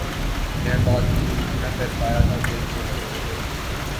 میں بات پوری بھی نہ کرپا یا تھا کہ زور سے بولے